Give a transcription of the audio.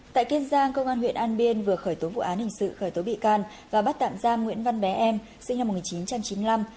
tại kiên giang công an huyện an biên vừa khởi tố vụ án hình sự khởi tố bị can và bắt tạm giam nguyễn văn bé em sinh năm một nghìn chín trăm chín mươi năm